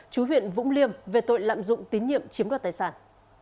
chú huyện vũng liêm về tội lạm dụng tín nhiệm chiếm đoạt tài sản